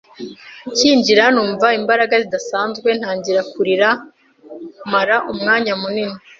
nshyinjira numva imbaraga zidasanzwe ntangira kurira mara umwanya munini.